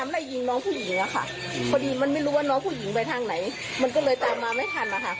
ได้ยินเสียงค่ะ๓นัทค่ะ